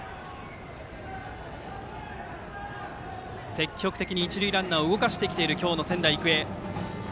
積極的に一塁ランナーを動かしてきている今日の仙台育英。